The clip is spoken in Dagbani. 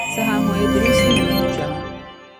Saha ŋɔ Iddrisu n-nyɛ kpɛma.